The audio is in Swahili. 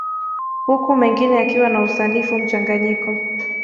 Huku mengine yakiwa na usanifu mchanganyiko